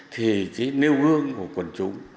thì cái nêu gương của quần chúng